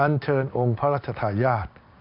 อันเชิญองค์พระราชทายาท